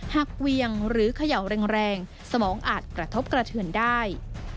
เวียงหรือเขย่าแรงสมองอาจกระทบกระเทือนได้